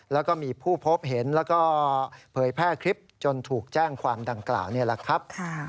แล้วก็มีผู้พบเห็นแล้วก็เผยแพร่คลิปจนถูกแจ้งความดังกล่าวนี่แหละครับ